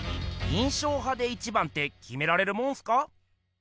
印象派で一番ってきめられるもんすか？